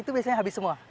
itu biasanya habis semua